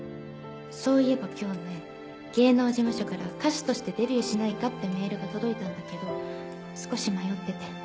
「そういえば今日ね芸能事務所から歌手としてデビューしないかってメールが届いたんだけど少し迷ってて」